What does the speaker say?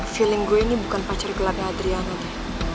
feeling gue ini bukan pacar gelapnya adriana deh